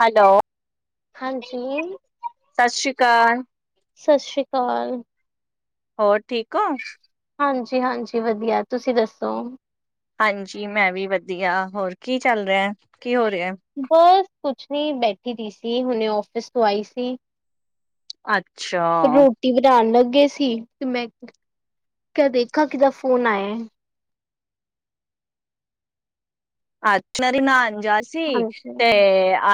Hello ਹਾਂਜੀ, ਸਤਿ ਸ਼੍ਰੀ ਅਕਾਲ! ਸਤਿ ਸ਼੍ਰੀ ਅਕਾਲ! ਹੋਰ ਠੀਕ ਹੋ ਹਾਂਜੀ ਹਾਂਜੀ ਵਧੀਆ ਤੁਸੀਂ ਦੱਸੋ ਹਾਂਜੀ ਮੈਂ ਵੀ ਵਧੀਆ ਹੋਰ ਕੀ ਚੱਲ ਰਿਹਾ ਕੀ ਹੋ ਰਿਹਾ? ਬਸ ਕੁਛ ਨੀ ਬੈਠੀ ਦੀ ਸੀ ਹੁਣੇ ਆਫਿਸ ਤੋਂ ਆਈ ਸੀ। ਅੱਛਾ, ਰੋਟੀ ਬਣਾਤਫ ਗਏ ਸੀ ਤੇ ਮੈਂ ਕਿਆ ਦੇਖਾ ਕੀਦਾ ਫੋਨ ਆਇਆ। ਅਛਲਰੀ ਨਾ। ਜਾ ਸੀ ਹਾਂਜੀ, ਤੇ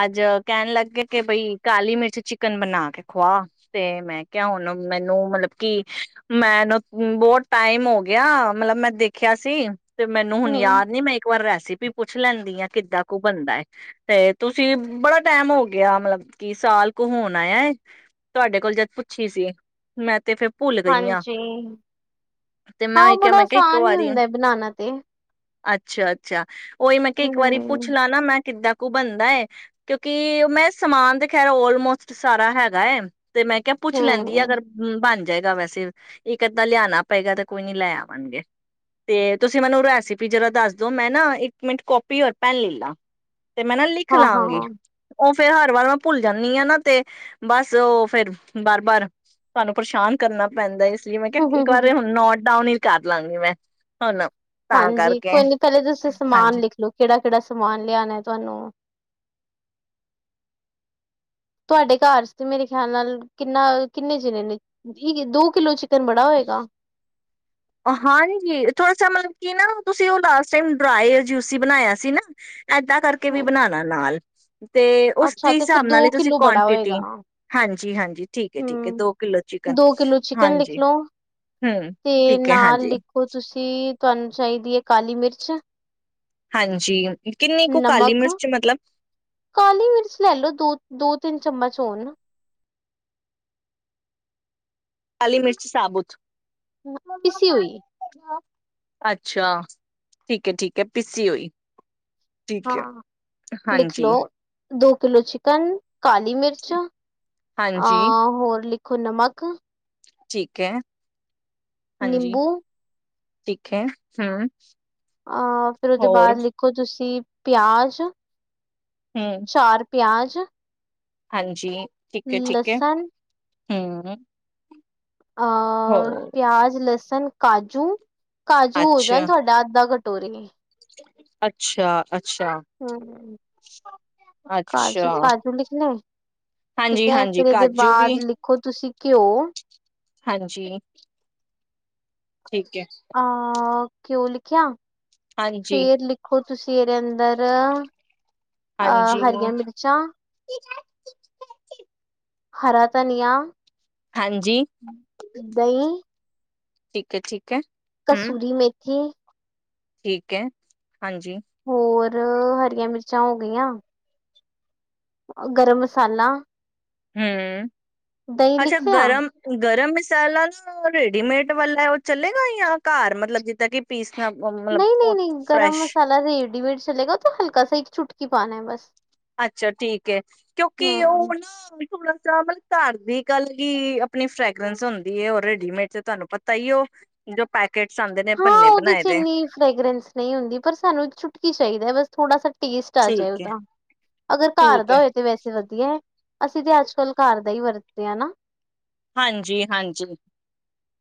ਅਜ ਕਹਿਣ ਲੱਗਗਏ ਕਿ ਬਈ ਕਾਲੀ ਮਿਰਚ ਚਿਕਨ ਬਣਾ ਕੇ ਖੁਆ ਤੇ ਮੈਂ ਕਿਹਾ ਹੁਣ ਮੈਨੂੰ ਮਤਲਬ ਕਿ ਮੈਨ ਬਹੁਤ ਟਾਈਮ ਹੋ ਗਿਆ ਮਤਲਬ ਮੈਂ ਦੇਖਿਆ ਸੀ। ਤੇ ਮੈਨੂੰ ਹੁਣ ਹੂੰ। ਯਾਦ ਨੀ ਮੈਂ ਇੱਕ ਵਾਰ ਰਹਿਸ ਸੀ ਪੀ ਪੁੱਛ ਲੈਂਦੀ ਆ ਕਿੱਦਾਂ ਕੁ ਬੰਦਾ ਹੈ ਤੇ ਤੁਸੀਂ ਬੜਾ ਟਾਈਮ ਹੋ ਗਿਆ ਮਤਲਬ ਕਿ ਸਾਲ ਕੁ ਹੋਣਾ ਆ ਤੁਹਾਡੇ ਕੋਲ ਜਦ ਪੁੱਛੀ ਸੀ ਮੈਂ ਤੇ ਫਿਰ ਹਾਂਜੀ ਤੇ ਮੈਂ ਹਾਂ ਉਹੀ ਕਿਹਾ ਬੜਾ ਮੈਂ ਕਿਹਾ ਇੱਕ ਆਸਾਨ ਹੀ ਵਾਰੀ ਹੁੰਦਾ ਹੈ ਬਣਾਉਣਾ ਤੇ ਅੱਛਾ ਅੱਛਾ! ਉਹੀ ਮੈਂ ਕਿਹਾ ਇੱਕ ਵਾਰੀ ਹੂੰ, ਪੁੱਛ ਲਾ ਨਾ ਮੈਂ ਕਿੱਦਾਂ ਬਣਦਾ ਹੈ ਕਿਉਂਕਿ ਮੈਂ ਸਮਾਨ ਤੇ ਖੈਰ ਆਲਮੋਸਟ ਸਾਰਾ ਹੈਗਾ। ਤੇ ਮੈਂ ਕਿਹਾ ਪੁੱਛ ਲੈਂਦੀ ਆ ਹੂੰ, ਅਗਰ ਬਣ ਜਾਏਗਾ ਵੈਸੇ ਇਕ ਅੱਧਾ ਲਿਆਉਣਾ ਪਏਗਾ ਤੇ ਕੋਈ ਨੀ ਲੈ ਆਵਾਂਗੇ ਤੇ ਤੁਸੀਂ ਮੈਨੂੰ ਰੈਸਪੀ ਜਰਾ ਦੱਸਦੋ ਮੈਂ ਨਾ ਇੱਕ ਮਿੰਟ ਕਾਪੀ ਔਰ ਪੈਨ ਲੈ ਲਾ। ਤੇ ਮੈਂ ਨਾ ਲਿਖ ਲਵਾਂਗੀ। ਹਾਂ-ਹਾਂ। ਫਿਰ ਹਰ ਵਾਰ ਮੈਂ ਭੁੱਲ ਜਾਂਦੀ ਹਾਂ ਨਾ ਤੇ ਬਸ ਉਹ ਫਿਰ ਬਾਰ ਬਾਰ ਤੁਹਾਨੂੰ ਪਰੇਸ਼ਾਨ ਕਰਨਾ ਪੈਂਦਾ। ਮੈਂ ਕਿਹਾ ਇੱਕ ਵਾਰ ਹੁਣ ਨੋਟ ਡਾਊਨ ਹੀ ਕਰ ਲਾ ਗੀ ਮੈਂ ਹੁਣ ਤਾਂ ਹਾਂਜੀ ਕਰਕੇ ਕੋਈ ਨੀ ਪਹਿਲੇ ਤੁਸੀਂ ਸਮਾਨ ਹਾਂਜੀ ਲਿਖ ਲਓ ਕਿਹੜਾ ਕਿਹੜਾ ਸਮਾਨ ਲਿਆਉਣਾ। ਤੁਹਾਨੂੰ ਤੁਹਾਡੇ ਘਰ ਤੇ ਮੇਰੇ ਖਿਆਲ ਨਾਲ ਕਿੰਨਾ ਕਿੰਨੇ ਚਣੇ ਨੇ ਦੋ ਕਿਲੋ ਤੇ ਬੜਾ ਹੋਏਗਾ। ਹਾਂਜੀ, ਥੋੜਾ ਸ ਮਤਲਬ ਕਿ ਨਾ ਤੁਸੀਂ ਉਹ ਲਾਸਟ ਟਾਈਮ ਡਰਾਈ ਜੂਸੀ ਬਣਾਇਆ ਸੀ ਨਾ ਏਦਾਂ ਕਰਕੇ ਵੀ ਹੂੰ। ਬਣਾਣਾ ਨਾਲ ਤੇ ਅੱਛਾ ਉਸਦੇ ਤੇ ਫਿਰ ਹਿਸਾਬ ਦੋ ਨਾਲ ਹੀ ਤੁਸੀਂ ਕਿੱਲੋ ਬੜਾ ਹੋਏਗਾ ਕੁਆਂਟਿਟੀ ਹਾਂਜੀ ਹਾਂਜੀ ਠੀਕ ਹੈ ਠੀਕ ਹੈ, ਹੂੰ ਦੋ ਕਿਲੋ ਚਿਕਨ ਦੋ ਕਿੱਲੋ ਚਿਕਨ ਲਿਖ ਹਾਂਜੀ ਲਓ ਹੂੰ। ਤੇ ਨਾਲ ਲਿਖੋ ਤੁਸੀਂ ਤੁਹਾਨੂੰ ਚਾਹੀਦੀ ਏ ਕਾਲੀ ਮਿਰਚ ਹਾਂਜੀ ਕਿੰਨੀ ਕੁ ਕਾਲੀ ਨਮਕ ਮਿਰਚ ਮਤਲਬ? ਕਾਲੀ ਮਿਰਚ ਲੈ ਲੋ ਦੋ, ਦੋ, ਤਿੰਨ ਚਮਚ ਹੂਣ। ਕਾਲੀ ਮਿਰਚ ਸਾਬੁਤ- ਪੀਸੀ ਹੋਈ। ਅੱਛਾ ਠੀਕ ਹੈ, ਠੀਕ ਹੈ, ਪੀਸੀ ਹੋਈ। ਠੀਕ ਹੈ ਹਾਂ ਲਿਖ ਹਾਂਜੀ ਲੋ ਦੋ ਕਿਲੋ ਚਿਕਨ ਕਾਲੀ ਮਿਰਚ, ਅ ਹਾਂਜੀ ਹੋਰ ਲਿ ਖੁ ਨਮਕ ਠੀਕ ਹੈ। ਹਾਂਜੀ ਨਿੰਬੂ ਠੀਕ ਹੈ ‌। ਹੂੰ ਅਹ ਫੇਰ ਉਹਦੇ ਬਾਅਦ ਲਿਖੋ ਤੁਸੀਂ ਪਿਆਜ ਹੂੰ ਪਿਆਜ਼ ਹਾਂਜੀ ਲਸਨ ਹੂੰ ਅ ਪਿਆਜ, ਲਸ ਨ ਕਾਜੂ ਕਾਜੂ ਹੋ ਜਾਣ ਅੱਛਾ ਤੁਹਾਡਾ ਅੱਧਾ ਘੱ ਤੋਰੀ ਅੱਛਾ, ਅੱ ਹਮ ਕਾਜੂ, ਅੱਛਾ ਕਾਜੂ ਲਿਖ ਨੇ ਠੀਕ ਹਾਂਜੀ ਹੈ ਹਾਂਜੀ ਫੇਰ ਇਹਦੇ ਕਾਜੂ ਵੀ ਬਾਅਦ ਲਿਖੋ ਤੁਸੀਂ ਘਿਓ, ਹਾਂਜੀ। ਠੀਕ ਹੈ। ਘਿਉਂ ਲਿਖਿਆ? ਹਾਂਜੀ ਫਿਰ ਲਿਖੋ ਤੁਸੀਂ ਇਹਦੇ ਅੰਦਰ, ਅਹ ਹਾਂਜੀ ਹਰੀਆਂ ਮਿਰਚਾਂ, ਹਰਾ ਧਨੀਆਂ, ਹਾਂਜੀ ਦਹੀਂ, ਠੀਕ ਅ, ਠੀਕ ਹੈ ਹਮ ਕਸੂਰੀ ਮੇਥੀ ਠੀਕ ਹੈ ਹਾਂਜੀ ਰ-ਅ-ਅ ਹਰੀਆਂ ਮਿਰਚਾਂ ਹੋ ਗਈਆਂ ਗਰਮ ਮਸਾਲਾ ਹਮ ਦਹੀਂ ਅੱਛਾ ਲਿਖ ਲਿਆ ਗਰਮ-ਗਰਮ ਮਸ ਸਾਲਾਂ ਰੇਡੀਮੇਡ ਵਾਲਾ ਉਹ ਚਲੇਗਾ ਯਾ ਘਰ ਮਤਲਬ ਜਿੱਦਾਂ ਕਿ ਪੀਸ ਨਹੀਂ-ਨਹੀਂ-ਨਹੀਂ ਗਰਮ ਮਸਾਲਾ ਰੇਡੀਮੇਡ ਚਲੇਗਾ ਹਲਕਾ ਜਯਾ ਏਕ ਚੁਟਕੀ ਪਾਉਣਾ ਹੈ ਬਸ ਅੱਛਾ ਠੀਕ ਹੈ ਕਿਉਂਕਿ ਉਹ ਹੂੰ। ਹ ਨਾ ਥੋੜਾ ਸਾ ਮਤਲਬ ਘਰ ਦੀ ਗੱਲਗੀ ਆਪਣੀ ਫਰੈਗਰੈਂਸ ਹੁੰਦੀ ਹੈ ਉਹ ਰੇਡੀਮੇਡ ਚ ਤੁਹਾਨੂੰ ਪਤਾ ਹੀ ਉਹ ਜੋ ਪੈਕ ਹਾਂ ਉਹਦੇ ਚ ਇੰਨੀ ਫਰੇਗਰੈਂਸ ਨਹੀਂ ਹੁੰਦੀ ਪਰ ਸਾਨੂੰ ਛੁਟਕੀ ਚਾਹੀਦਾ ਬਸ ਥੋੜਾ ਸਾ ਟੇਸਟ ਆ ਜਾਏ ਠੀਕ ਹੈ ਉਹਦਾ ਅਗਰ ਘਰ ਠੀਕ ਦਾ ਹੈ ਹੋਏ ਤਾਂ ਵੈਸੇ ਵਧੀਆ ਹੈ ਅਸੀਂ ਤੇ ਅੱਜ ਕੱਲ ਘਰ ਦਾ ਹੀ ਵਰਤਦੇ ਹਾਂ ਨਾ ਹਾਂਜੀ ਹਾਂਜੀ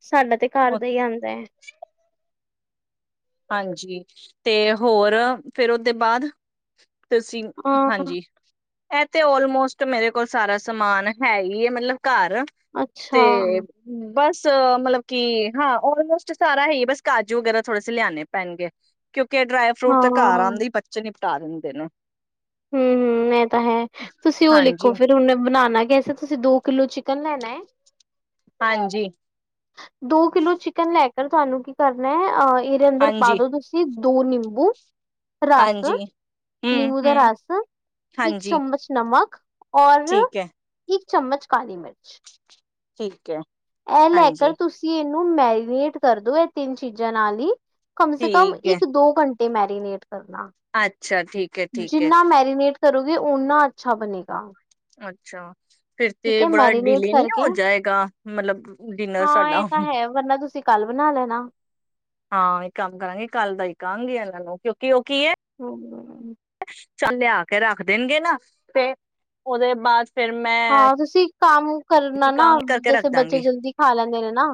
ਸਾਡਾ ਤੇ ਘਰ ਉਹ ਦਾ ਹੀ ਆਉਂਦਾ ਹੈ ਹਾਂਜੀ ਤੇ ਹੋਰ ਫਿਰ ਉਹਦੇ ਬਾਅਦ ਤੁਸੀਂ ਹਾਂ, ਹਾਂਜੀ ਇਹ ਤੇੇ ਆਲਮੋਸਟ ਮੇਰੇ ਕੋਲ ਸਾਰਾ ਸਮਾਨ ਹੈ ਹੀ ਹੈ ਮਤਲਬ ਘਰ ਅੱਛਾ ਤੇ ਹਮ ਬਸ ਮਤਲਬ ਕੀ ਹਾਂ ਆਲਮੋਸਟ ਸਾਰਾ ਹੀ ਹੈ ਬਸ ਕਾਜੂ ਵਗੈਰਾ ਥੋੜੇ ਲਿਆਣੇ ਪੈਣਗੇ ਕਿਉਂ ਕੇ ਡਰਾਈ ਫਰੂਟ ਤੇ ਘਰ ਆਉਂਦੇਂ ਹੀ ਬੱਚਨੇ ਤਾਰਨ ਦੇ ਨੇ ਹਮ-ਹਮ ਇਹ ਤਾਂ ਹੈ ਤੁਸੀਂ ਉਹ ਲਿਖੋ ਹਾਂਜੀ ਫਿਰ ਹੁਣ ਬਣਾਉਣਾ ਕੈਸੇ ਤੁਸੀਂ ਦੋ ਕਿਲੋ ਚੀ ਕਰਨਾ ਨੈ ਹਾਂਜੀ ਦੋ ਕਿਲੋ ਚਿਕਨ ਲੈਕ ਕੀ ਤੁਹਾਨੂੰ ਕੀ ਕਰਨਾ ਹੈ ਅਹ ਇਹਦੇ ਅੰਦਰ ਪਾ ਹਾਂਜੀ ਦੋ ਤੁਸੀਂ ਦੋ ਨਿੰਬੂ ਰਸ ਹਾਂਜੀ ਹਮ ਨਿੰਬੂ ਦਾ ਹਮ ਰਸ ਇੱਕ ਹਾਂਜੀ ਚਮਚ ਨਮਕ ਔਰ ਠੀਕ ਹੈ ਇੱਕ ਚਮਚ ਕਾਲੀ ਮਿਰਚ ਠੀਕ ਹੈ ਇਹ ਲੈ ਕਰ ਹਾਂਜੀ ਤੁਸੀਂ ਇਹ ਓਨੂੰ ਮੈਰੀਨੇਟ ਕਰਦੋ ਇਹ ਤਿੰਨ ਚੀਜ਼ਾਂ ਨਾਲ ਹੀ ਕਮ ਸੇ ਕਮ ਠੀਕ ਹੈ ਇੱਕ ਦੋ ਘੰਟੇ ਤੇ ਮੈਰੀਨੇਟ ਕਰਨਾ। ਅੱਛਾ ਠੀਕ ਹੈ ਠੀਕ ਹੈ ਜਿੰਨਾ ਮੈਰੀਨੇਟ ਕਰੋਗੇ ਓਨਾ ਅੱਛਾ ਬਣੇਗਾ। ਅੱਛਾ ਫਿਰ ਤੇ ਠੀਕ ਹੈ ਬੜਾ ਮੈਰੀਨੇਟ ਡਿਲੇ ਨੀ ਕਰਕੇ ਹੋ ਜਾਏਗਾ। ਮਤਲਬ ਡਿਨਰ ਹਾਂ ਇਹ ਸਾਡਾ ਤਾਂ ਹੈ ਵਰਨਾ ਤੁਸੀਂ ਕੱਲ ਬਣਾ ਲੈਣਾ ਹਾਂ ਇੱਕ ਕੰਮ ਕਰਾਂਗੇ ਕੱਲ ਦਾ ਹੀ ਕਹਾਂ ਗੀ ਇਹਨਾਂ ਨੂੰ ਕਿਉਂਕਿ ਉਹ ਹਮ। ਚਲ ਲਿਆ ਕੇ ਰੱਖ ਦੇਣਗੇ ਨਾ, ਤੇ ਉਹਦੇ ਬਾਅਦ ਫੇਰ ਮੈਂ ਹਾਂ ਤੁਸੀਂ ਕੰਮ ਕਰਨਾ ਕੀ ਨਾ ਕਾਂ ਕਰਕੇ ਰੱਖ ਜੈਸੇ ਬੱਚੇ ਦਾਂਗੀ ਜਲਦੀ ਖਾ ਲੈਂਦੇ ਨੇ ਨਾ,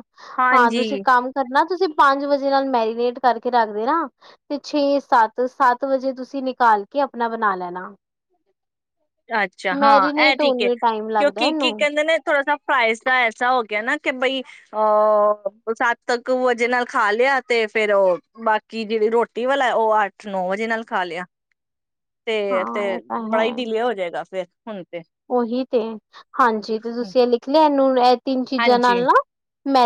ਹਾਂ ਤੁਸੀਂ ਹਾਂਜੀ ਕੰਮ ਕਰਨਾ ਤੁਸੀਂ ਪੰਜ ਵਜੇ ਨਾਲ ਮੈਰੀਨੇਟ ਕਰਕੇ ਰੱਖ ਦੇਣਾ ਤੇ ਛੇ ਸੱਤ ਸੱਤ ਵਜੇ ਤੁਸੀਂ ਨਿਕਾਲ ਕੇ ਆਪਣਾ ਬਣਾ ਲੈਣਾ। ਅੱਛਾ, ਹਾਂ ਐ ਮੈਰੀਨੇਟ ਠੀਕ ਹੋਣ ਹੈ। ਨੂੰ ਟਾਈਮ ਲੱਗਦਾ ਕਿਉਂਕਿ ਇਹਨੂੰ ਕੀ ਕਹਿੰਦੇ ਨੇ ਥੋੜਾ ਸ ਫਰਾਈਜ਼ ਦਾ ਐਸਾ ਹੋ ਗਿਆ ਨਾ ਕਿ ਬਈ ਅਹ ਸੱਤ ਕੁ ਵਜੇ ਨਾਲ ਖਾ ਲਿਆ, ਤੇ ਫੇਰ ਉਹ ਬਾਕੀ ਜਿਹੜੀ ਰੋਟੀ ਵਾਲਾ ਉਹ ਅੱਠ ਨੌ ਵਜੇ ਨਾਲ ਖਾ ਲਿਆ। ਤੇ- ਹਾਂ ਤੇ ਇਹ ਤਾਂ ਬੜਾ ਹੈ ਹੀ ਡਿਲੇ ਹੋ ਜੇ ਗਾ ਫੇਰ ਹੁਣ ਤੇ ਉਹੀ ਤੇ ਹਾਂਜੀ ਤੇ ਤੁਸੀਂ ਇਹ ਲਿਖ ਲਿਆ ਇਹਨੂੰ [inaudible] ਤਿੰਨ ਚੀਜ਼ਾਂ ਹਾਂਜੀ ਨਾਲ ਨਾ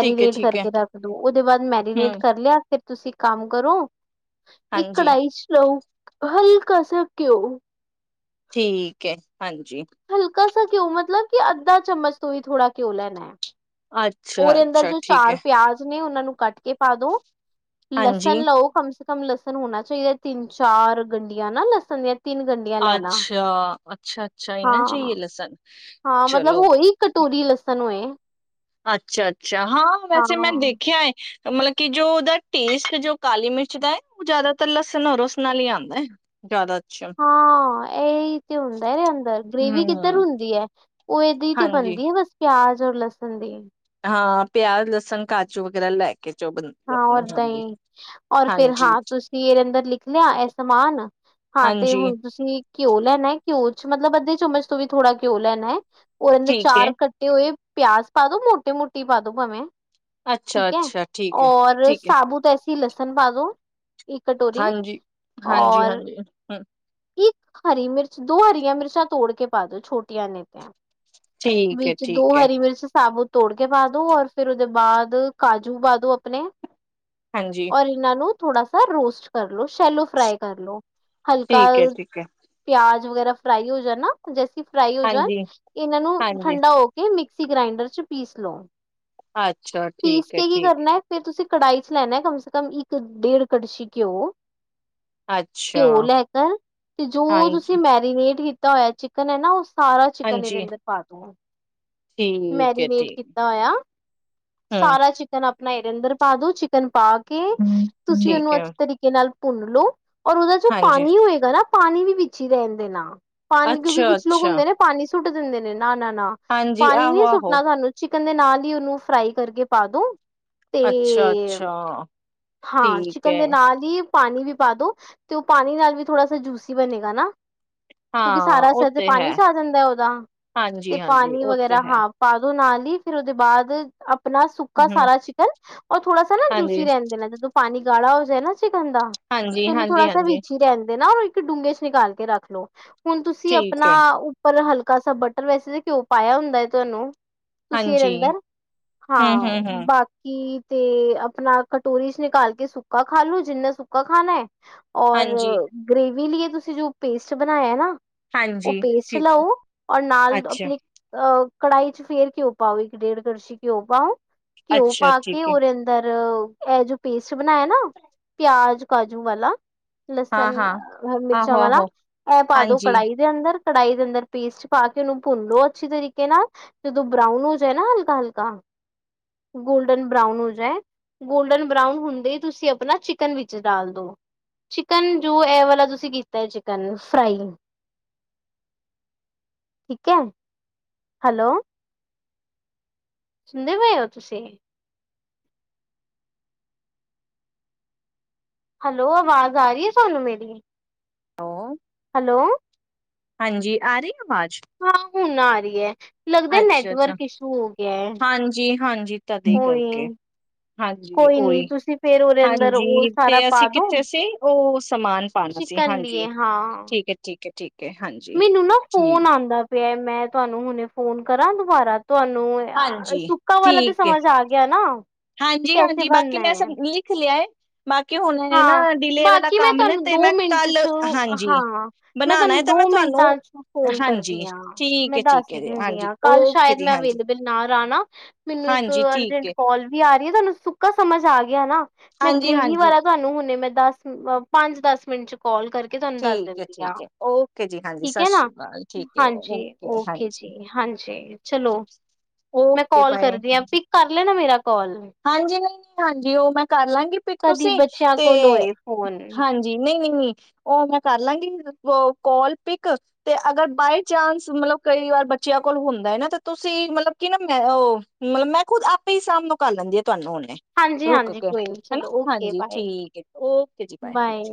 ਠੀਕ ਹੈ ਠੀਕ ਹੈ ਕਰਕੇ ਰੱਖ ਦੋ ਉਹਦੇ ਬਾਅਦ ਮੈਰੀਨੇਟ ਹਮ ਕਰ ਲਿਆ। ਫੇਰ ਤੁਸੀਂ ਕੰਮ ਕਰੋ ਇੱਕ ਹਾਂਜੀ ਕੜਾਹੀ ਚ ਲੋ ਹਲਕਾ ਤਾਜਾ ਘਿਓ ਠੀਕ ਹੈ। ਹਾਂਜੀ। ਕਾ ਸਾ ਘਿਓ ਮਤਲਬ ਕਿ ਅੱਧਾ ਚਮਚ ਤੁਹੀਂ ਥੋੜ੍ਹਾ ਘਿਉ ਲੈਣਾ ਹੈ। ਅੱਛਾ ਉਹਦੇ ਅੰਦਰ ਅੱਛਾ ਜੋ ਠੀਕ ਚਾਰ ਹੈ ਪਿਆਜ ਨੇ ਉਹਨਾ ਨੂੰ ਕੱਟ ਕੇ ਪਾ ਦੋ ਹਾਂਜੀ ਲਸਣ ਲਓ ਕਮ ਸੇ ਕਮ ਕਮ ਲਸਣ ਹੋਣਾ, ਚਾਹੀਦਾ ਤਿੰਨ ਚਾਰ ਗੰਡੀਆਂ ਨਾ ਲਸਣ ਦੀਆਂ ਤਿੰਨ ਗੰਢੀਆਂ ਲੈਣਾ ਅੱਛਾ ਅੱਛਾ ਅੱਛਾ ਇਹ ਨਾ ਚਹੀਏ ਹਾਂ ਲਸਣ ਹਾਂ ਮਤਲਬ ਹੋਈ ਕਟੋਰੀ ਲਸਣ! ਤੁਹਾਨੂੰ [unintelligible] ਅੱਛਾ, ਅੱਛਾ ਹਾਂ, ਵੈਸੇ ਮੈਂ ਹਾਂ ਦੇਖਿਆ ਹੈ ਮਤਲਬ ਕਿ ਜੋ, ਉਹਦਾ ਟੇਸਟ ਜੋ, ਕਾਲੀ ਮਿਰਚ ਦਾ ਹੈ ਉਹ ਜ਼ਿਆਦਾਤਰ ਲਸਣ ਔ, ਲੂਸਣ ਨਾਲ ਹੀ ਆਉਂਦਾ ਹੈ ਜ਼ਿਆਦਾ ਅੱਛਾ ਹਾਂ ਇਹੀ ਤੇ, ਹੁੰਦਾ ਅੰਦਰ ਗ੍ਰੇਵੀ ਕਿੱਧਰ ਹਮ ਹੁੰਦੀ ਹੈ ਉਹ ਇਹਦੀ ਤੇ ਹਾਂਜੀ ਬਣਦੀ ਹੈ ਬਸ ਪਿਆਜ ਤਰੀ ਲਸਣ ਦੀ। ਹਾਂ, ਪਿਆਜ਼, ਲਸਣ ਕਾਚੂ ਵਗੈਰਾ ਲੈ ਕੇ ਜੋ ਬਣਦੀ ਹੈ ਹਾਂ, ਆਪਣੀ ਓਦਾਂ ਹਾਂਜੀ ਹੀ ਔਰ ਫੇਰ ਹਾਂ, ਹਾਂਜੀ ਤੁਸੀਂ ਇਹਦੇ ਅੰਦਰ ਲਿਖ ਲਿਆ ਇਹ ਸਮਾਨ ਹਾਂ, ਤੇ ਹਾਂਜੀ ਹੁਣ ਤੁਸੀਂ ਘਿਓ ਲੈਣਾ ਹੈ ਘਿਓ'ਚ, ਮਤਲਬ ਅੱਧੇ ਚਮਚ ਤੋਂ, ਵੀ ਥੋੜਾ ਘਿਉ ਲੈਣਾ ਹੈ। ਉਏ ਨੇ ਠੀਕ ਹੈ ਚਾਰ ਕੱਟੇ ਹੋਏ। ਪਿਆਜ ਪਾ ਦੋ ਮੋਟੇ ਮੋਟੀ ਪਾ ਦੋ, ਭਾਵੇਂ! ਅੱਛਾ, ਠੀਕ ਹੈ। ਅੱਛਾ ਠੀਕ ਹੈ ਔਰ ਠੀਕ ਹੈ ਸਾਬੂਤ ਕੀ ਲਸਨ ਪਾਦੋ। ਹਾਂਜੀ, ਹਾਂਜੀ, ਹਾਂਜੀ ਹੂੰ। ਇੱਕ ਹਰੀ ਮਿਰਚ, ਦੋ ਹਰੀਆਂ ਮਿਰਚਾਂ ਤੋੜ ਕੇ ਪਾ ਦੋ, ਛੋਟੀਆਂ ਜਿਂਆਂ। ਠੀਕ ਹੈ ਵਿੱਚ ਦੋ ਠੀਕ ਹੈ ਹਰੀ ਮਿਰਚ ਸਾਬੁਤ। ਤੋੜ ਕੇ ਪਾ ਦੋ, ਔਰ ਫਿਰ ਉਦੇ ਬਾਅਦ ਕਾਜੂ ਪਾ ਦੋ ਦੋ ਆਪਨੇ ਹਾਂਜੀ ਔਰ ਇੰਨਾਂ ਨੂੰ ਥੋੜਾ ਸਾ ਰੋਸਟ ਕਰ ਲੋ। ਸ਼ੈਲੋ ਫਰਾਈ ਕਰ ਲੋ, ਹਲਕਾ ਠੀਕ ਹੈ ਠੀਕ ਹੈ ਪਿਆਜ ਵਗੈਰਾ ਫਰਾਈ ਓ ਜਾਨਾ। ਜਸੀ ਫਰਾਈ ਹੋ ਜਾਨ, ਹਾਂਜੀ ਇਨਾਂ ਨੂੰ ਹਾਂਜੀ ਠੰਡਾ ਹੋ ਕੇ, ਮਿਕਸ ਤੁਸੀ ਗ੍ਰਾਇਂਡਰ ਚ, ਪੀਸ ਲੋ। ਅੱਛਾ ਠੀਕ ਏ, ਠੀਕ ਏ। ਹੈ ਫਿਰ ਤੁਸੀਂ ਕੜਾਹੀ ਚ, ਲੈਨੈ ਕੰਮ ਸੇ ਕੰਮ ਇੱਕ ਡੇਢ ਕੜਛੀ ਘਿਉ। ਅੱਛਾ ਘਿਉ ਲੈ ਕਰ, ਜੋ ਹਾਂਜੀ ਤੁਸੀਂ ਮੈਰੀਨੇਟ ਕੀਤਾ ਧੋਇਆ ਚਿਕਨ ਐ ਨਾ, ਉਸ ਸਾਰਾ ਚਿਕਨ ਇਦੇ ਹਾਂਜੀ ਅੰਦਰ, ਪਾ ਤਾ ਠੀਕ ਹੈ ਮੈਰੀਨੇਟ ਠੀਕ ਕੀਤਾ ਹੋਇਆ, ਹਮ ਸਾਰਾ ਚਿਕਨ ਆਪ ਦੋ ਚਿਕਨ ਪਾ ਕੇ ਤੁਸੀਂ ਠੀਕ ਉਹਨੂੰ ਹੈ ਅੱਛੇ ਤਰੀਕੇ ਨਾਲ ਭੁੰਨ ਲਓ ਔਰ ਉਹਦਾ ਜੋ ਹਾਂਜੀ ਪਾਣੀ ਹੋਏਗਾ ਨਾ ਪਾਣੀ ਵੀ ਵਿੱਚ ਹੀ ਰਹਿੰਦੇ ਨਾ ਪਾਣੀ ਕਿਉ ਕੀ ਅੱਛਾ ਕੁਛ ਲੋਕ ਅੱਛਾ ਹੁੰਦੇ ਨੇ ਪਾਣੀ ਸੁੱਟ ਦਿੰਦੇ ਨੇ ਨਾ ਨਾ ਨਾ ਹਾਂਜੀ ਪਾਣੀ ਆਹੋ ਨੀ ਆਹੋ ਸੁੱਟਣਾ ਸਾਨੂੰ ਲਣ ਦੇ ਨਾਲ ਹੀ ਉਹਨੂੰ ਫਰਾਈ ਕਰਕੇ ਪਾਦੋ। ਅੱਛਾ ਤੇ, ਅੱਛਾ ਹਾਂ ਠੀਕ ਚਿਕਨ ਹੈ ਦੇ ਨਾਲ ਹੀ ਪਾਣੀ ਵੀ ਪਾ ਦੋ, ਤੇ ਔ ਪਾਣੀ ਨਾਲ ਵੀ ਥੋੜਾ ਸਾ ਜੂਸੀ ਬਣੇਗਾ ਨਾ। ਕਿਉਂਕਿ ਹਾਂ ਸਾਰਾ ਉਹ ਅਸਰ ਤੇ ਹੈ ਪਾਣੀ ਚ ਆ ਜਾਂਦੈ ਓਦਾ ਤੇ ਹਾਂਜੀ ਹਾਂਜੀ ਪਾਣੀ ਉਹ ਵਗੈਰਾ ਤੇ ਹੈ ਹਾਂ ਪਾਦੋ ਨਾਲ। ਨੀ ਫਿਰ ਉਦੇ ਬਾਦ ਅਪ ਅਪਣਾ ਸੁੱਕਾ ਹਮ ਸਾਰਾ ਚਿ ਔ ਥੋੜਾ ਸਾ ਨਾ ਹਾਂਜੀ ਜੂਸੀ ਰੈਣ ਦੇਨਾ, ਜਦੋਂ ਪਾ ਪਾਣੀ ਗਾੜਾ ਹੋ ਜਏ ਨਾ ਚਿਕਨ ਦਾ ਤੇ ਹਾਂਜੀ ਓਨੂੰ ਹਾਂਜੀ ਥੋੜਾ ਸਾ ਹਾਂਜੀ ਵਿਚ ਈ ਰੈਣ ਦੇਨਾ। ਤੇ ਡੂੰਘੇ ਚ ਨਿਕਾਲ ਕੇ ਰੱਖ ਲੋ। ਹੁਣ ਤੁਸੀਂ ਠੀਕ ਅਪਣਾ ਹੈ ਉੱਪਰ ਹਲਕ ਕਾਸਾ ਬਟਰ ਵੈਸੇ ਘਿਉ ਪਾਇਆ ਹੁੰਦਾ ਹੈ ਤੁਹਾਨੂੰ ਤੁਸੀਂ ਐਦੇ ਹਾਂਜੀ ਹਮ ਅੰਦਰ--ਹਾਂ, ਹਮ ਹਮ ਬਾਕ ਤੇ ਆਪਣਾ ਕਟੋਰੀ ਚ ਨਿਕਾਲ ਕੇ ਸੁੱਕਾ ਖਾਲੋ, ਜਿੰਨਾ ਸੁੱਕਾ ਖਾਣਾ ਹੈ। ਔਰ ਹਾਂਜੀ ਗ੍ਰੇਵੀ ਵੀਲੀਏ ਤੁਸੀਂ ਜੋ ਪੇਸਟ ਬਣਾਇਆ ਨਾ, ਉਹ ਹਾਂਜੀ ਪੇਸਟ ਠੀਕ ਲਾਓ, ਔਰ ਨਾਲ ਅੱਛਾ ਆਪਣੇ ਅ ਕੜਾਈ ਚ ਫੇਰ ਘਿਓ ਪਾਓ, ਇੱਕ ਡੇਢ ਕੜਸ਼ੀ ਘਿਓ ਪਾਓ। ਅੱਛਾ ਠੀਕ ਹੈ ਘਿੳ ਰਿਹਂਦਾ ਇਹ ਜੋ ਪੇਸ ਚ ਬਣਾਯਾ ਨਾ ਪਿਆਜ ਕਾਜੂ ਵਾਲਾ ਲਸਣ ਹਾਂ ਹਾਂ ਅਹ ਆਹੋ ਮਿਰਚਾਂ ਵਾਲਾ ਆਹੋ ਐ ਪਾ ਦੋ ਹਾਂਜੀ ਕੜਾਹੀ ਦੇ ਅੰਦਰ। ਕੜਾਹੀ ਦੇ ਅੰਦਰ ਪੇਸਟ ਪਾ ਕੇ ਉਹਨੂੰ ਭੁੰਨ ਲੋ ਅੱਛੀ ਤਰੀਕੇ ਨਾਲ, ਜਦੋਂ ਬਰਾਊਨ ਹੋ ਜਾਏ ਨਾ ਹਲਕਾ ਹਲਕਾ ਗੋਲਡਨ ਬਰਾਊਨ ਹੋ ਜਾਏ, ਗੋਲਡਨ ਬਰਾਉਨ ਹੁੰਦੇ ਤੁਸੀਂ ਆਪਣਾ ਚਿਕਨ ਵਿੱਚ ਡਾਲ ਦੋ। ਚਿਕਨ ਜੋ ਇਹ ਵਾਲਾ ਤੁਸੀਂ ਕੀਤਾ ਹੈ ਚਿਕਨ ਫਰਾਈ। ਠੀਕ ਹੈ। ਹੈਲੋ ਸੁਣਦੇ ਪਏ ਹੋ ਤੁਸੀਂ। ਹੈਲੋ ਆਵਾਜ਼ ਆ ਰਹੀ ਹੈ ਤੁਹਾਨੂੰ ਮੇਰੀ। ਹੋ ਹੈਲੋ ਹਾਂਜੀ ਆ ਰੀ ਹਾਂ ਹੁਣ ਆ ਰੀ ਐ। ਅੱਛਾ ਅੱਛਾ, ਹੈ। ਹਾਂਜੀ ਹਾਂਜੀ ਤਦੇ ਕਰਕੇ ਉਹੀ ਹਾਂਜੀ ਕੋਈ ਨੀ ਓਹੀ ਤੁਸੀਂ ਫੇਰ ਉਹਦੇ ਅੰਦਰ ਉਹ ਹਾਂਜੀ ਸਾਰਾ ਤੇ ਪਾ ਅਸੀਂ ਦੋ ਕਿੱਥੇ ਸੀ ਔ ਸਮਾਨ ਪਾਣਾ ਸੀ, ਚਿਕਨ ਹਾਂਜੀ ਲਈਏ ਹਾਂ। ਠੀਕ ਹੈ ਠੀਕ ਐ ਠੀਕ। ਹਾਂਜੀ ਮੈਨੂੰ ਨਾ ਫੋਨ ਆਉਂਦਾ ਪਿਆ ਮੈਂ ਤੁਹਾਨੂੰ ਹੁਣੇ ਫੋਨ ਕਰਾਂ ਦੁਬਾਰਾ ਤੁਹਾਨੂੰ ਹਾਂਜੀ ਸੁੱਕਾ ਵਾਲਾ ਤੇ ਸਮਝ ਆ ਗਿਆ ਨਾ ਹਾਂਜੀ ਕੈਸੇ ਹਾਂਜੀ ਬਾਕੀ ਬਣਨਾ ਮੈਂ ਸ ਹੈ। ਲਿਖ ਲਿਆ ਹੈ ਬਾਕੀ ਹੁਣ ਇਹ ਨਾ ਹਾਂ ਡਿਲੇ ਵਾਲਾ ਬਾਕੀ ਮੈਂ ਕੰਮ ਨੇ ਤੁਹਾਨੂੰ ਤੇ ਦੋ ਮੈਂ ਮਿੰਟ ਕੱਲ ਚ ਹਾਂਜੀ ਹਾਂ ਮੈਂ ਬਣਾਣਾ ਹੈ ਤੁਹਾਨੂੰ ਤੇ ਦੋ ਤੁਹਾਨੂੰ ਮਿੰਟਾਂ ਚ ਫੋਨ ਕਰਦੀ ਹਾਂਜੀ ਹਾਂ ਠੀਕ ਮੈਂ ਦੱਸ ਹੈ-ਠੀਕ ਹੀ ਹੈ ਜੀ ਦਿੰਦੀ ਹਾਂਜੀ ਹਾਂ ਕੱਲ ਓਕੇ ਸ਼ਾਇਦ ਜੀ ਮੈਂ ਅਵੇਲੇਬਲ ਨਾ ਰਹਿਣਾ ਮੈਨੂੰ ਇੱਕ ਹਾਂਜੀ-ਹਾਂਜੀ ਠੀਕ ਅਰਜੈਂਟ ਹੈ ਕਾਲ ਵੀ ਆ ਤੁਹਾਨੂੰ ਸੁੱਕਾ ਸਮਝ ਆ ਗਿਆ ਹਨਾ ਹਾਂਜੀ ਹਾਂਜੀ ਤੁਹਾਨੂੰ ਹੁਣੇ ਮੈਂ ਦਸ ਪੰਜ ਦਸ ਮਿੰਟ ਚ ਕਾਲ ਕਰਕੇ ਤੁਹਾਨੂੰ ਦੱਸ ਠੀਕ ਹੈ ਦਿੰਦੀ ਆ ਠੀਕ ਹੈ ਓਕੇ ਜੀ ਹਾਂਜੀ ਠੀਕ ਸਤਿ ਹੈ ਨਾ ਸ਼੍ਰੀ ਅਕਾਲ ਠੀਕ ਹੈ ਹਾਂਜੀ ਓਕੇ ਹਾਂਜੀ ਜੀ ਹਾਂਜੀ ਚਲੋ ਮੈਂ ਓਕੇ ਕਾਲ ਬਾਏ ਕਰਦੀ ਹਾਂ ਹਾਂਜੀ ਪਿਕ ਕਰ ਲਿਆ ਨਾ ਮੇਰਾ ਕਾਲ ਹਾਂਜੀ ਹਾਂਜੀ ਉਹ ਮੈਂ ਕਰ ਲਾਂਗੀ ਪਿੱਕ ਕਦੀ ਤੁਸੀਂ ਬੱਚਿਆਂ ਤੇ ਕੋਲ ਹੋਏ ਫੋਨ ਹਾਂਜੀ ਨਹੀਂ ਨਹੀਂ ਨਹੀਂ ਉਹ ਮੈਂ ਕਰ ਲਾਂਗੀ ਕੋਲ ਪਿਕ ਤੇ ਅਗਰ ਬਾਈ ਚਾਂਸ ਮਤਲਬ ਕਈ ਵਾਰ ਬੱਚਿਆਂ ਕੋਲ ਹੁੰਦਾ ਹੈ ਨਾ ਤੇ ਤੁਸੀਂ ਮਤਲਬ ਕੀ ਨਾ ਮੈਂ ਉਹ ਮਤਲਬ ਮੈਂ ਖੁਦ ਆਪੇ ਹੀ ਸਾਮ ਨੂੰ ਕਰ ਲੈਂਦੇ ਆ ਤੁਹਾਨੂੰ ਹੂਨੈ ਹਾਂਜੀ ਰੁਕ ਹਾਂਜੀ ਕੇ ਕੋਈ ਨੀ ਹਨਾ ਚਲੋ ਓਕੇ ਹਾਂਜੀ ਬਾਏ ਠੀਕ ਹੈ ਜੀ ਓਕੇ ਜੀ ਬਾਏ ਹਾਂਜੀ